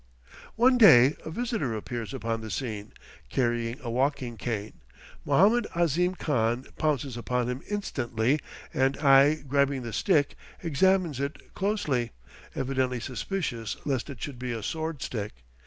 One day, a visitor appears upon the scene, carrying a walking cane. Mohammed Ahzim Khan pounces upon him instantly and I grabbing the stick, examines it closely, evidently suspicious lest it should be a sword stick.